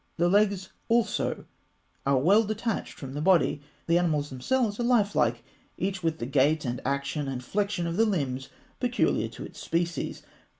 The legs also are well detached from the body. The animals themselves are lifelike, each with the gait and action and flexion of the limbs peculiar to its species.